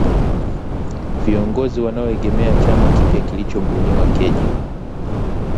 Viongozi wanaoegemea chama kipya kilichobuniwa Kenya